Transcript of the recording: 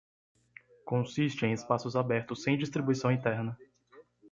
Consiste em espaços abertos sem distribuição interna.